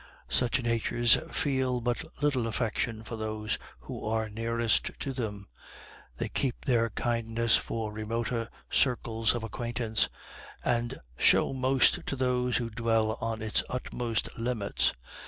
Such natures feel but little affection for those who are nearest to them; they keep their kindness for remoter circles of acquaintance, and show most to those who dwell on its utmost limits.